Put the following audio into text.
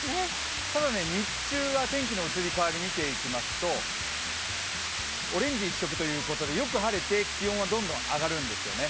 ただ、日中は天気の移り変わり見ていきますと、オレンジ一色ということでよく晴れて気温はどんどん上がるんですよね。